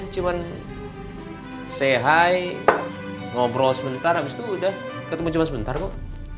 cuman say ngobrol sebentar abis itu udah ketemu cuma sebentar kok